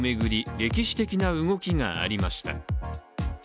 歴史的な動きがありました。